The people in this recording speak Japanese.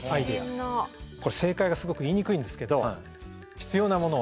これ正解がすごく言いにくいんですけど何だよそれ！